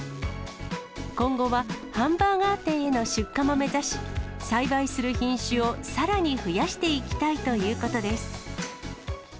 今後は、ハンバーガー店への出荷も目指し、栽培する品種をさらに増やしていきたいということです。